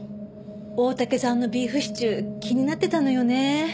大竹さんのビーフシチュー気になってたのよね。